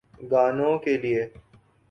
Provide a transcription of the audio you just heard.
گانوں کیلئے۔